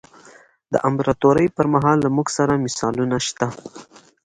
د امپراتورۍ پرمهال له موږ سره مثالونه شته.